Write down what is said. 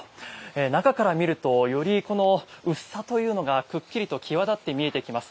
中から見るとより薄さというのがくっきりと際立って見えてきます。